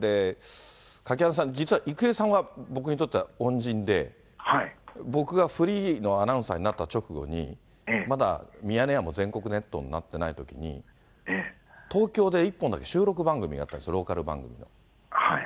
垣花さん、実は郁恵さんは、僕にとっては恩人で、僕がフリーのアナウンサーになった直後に、まだミヤネ屋も全国ネットになってないときに、東京で１本だけ収録番組があったんですよ、ローカル番組の。